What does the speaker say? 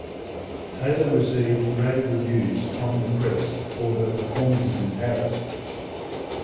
Taylor received rave reviews from the press for her performances in Paris.